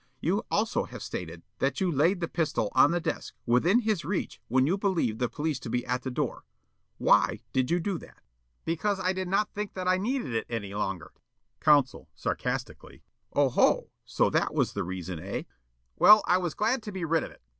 You also have stated that you laid the pistol on the desk, within his reach, when you believed the police to be at the door. Why, did you do that?" Yollop: "Because I did not think that I needed it any longer." Counsel, sarcastically: "Oho! so that was the reason, eh?" Yollop: "Well, I was glad to be rid of it.